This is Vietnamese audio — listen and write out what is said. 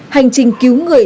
hành trình cứu người